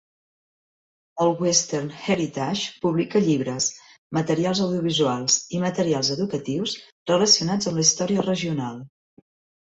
El Western Heritage publica llibres, materials audiovisuals i materials educatius relacionats amb la història regional.